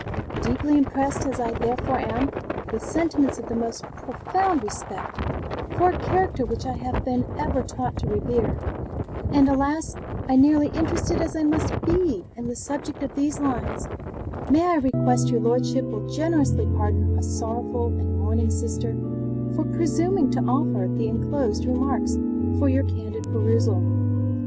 Deeply impressed as I therefore am, with sentiments of the most profound respect for a character which I have been ever taught to revere, and alas I nearly interested as I must be in the subject of these lines, may I request your lordship will generously pardon a sorrowful and mourning sister, for presuming to offer the enclosed [remarks] for your candid perusal.